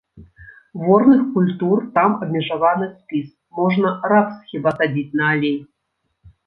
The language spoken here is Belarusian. Ворных культур там абмежаваны спіс, можна рапс хіба садзіць на алей.